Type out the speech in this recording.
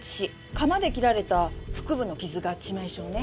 鎌で切られた腹部の傷が致命傷ね。